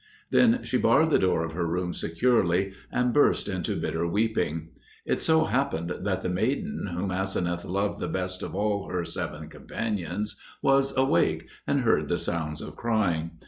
Then she barred the door of her room securely, and burst into bitter weeping. It so happened that the maiden whom Aseneth loved the best of all her seven companions was awake, and heard the sounds of crying.